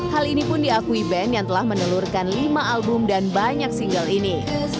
hal ini pun diakui band yang telah menelurkan lima album dan banyak single ini